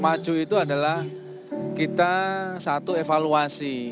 maju itu adalah kita satu evaluasi